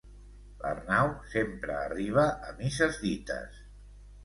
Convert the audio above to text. L'Arnau sempre arriba a misses dites.